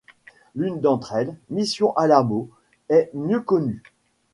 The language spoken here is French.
L'une d'entre elles, Mission Alamo, est mieux connue.